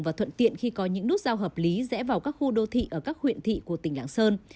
và thuận tiện khi có những nút giao hợp lý rẽ vào các khu đô thị ở các huyện thị của tỉnh lạng sơn